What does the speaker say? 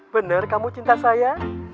benar kamu cinta saya